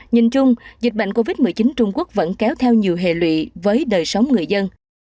nhìn chung dịch bệnh covid một mươi chín trung quốc vẫn kéo theo nhiều hệ lụy với đời sống người dân